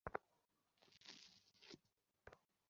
পরে পরিবারের লোকজন এসে তাঁকে ঢাকা মেডিকেল কলেজ হাসপাতালে নিয়ে যায়।